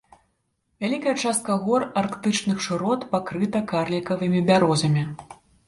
Вялікая частка гор арктычных шырот пакрыта карлікавымі бярозамі.